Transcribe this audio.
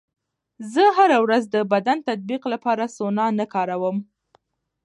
زه هره ورځ د بدن د تطبیق لپاره سونا نه کاروم.